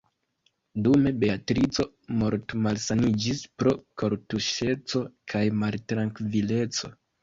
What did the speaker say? Dume Beatrico mortmalsaniĝis pro kortuŝeco kaj maltrankvileco.